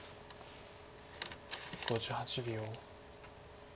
５８秒。